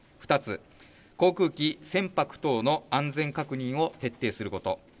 ２つ、航空機、船舶等の安全確認を徹底すること。